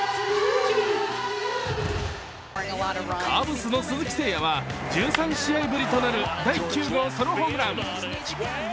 カブスの鈴木誠也は１３試合ぶりとなる第９号ソロホームラン。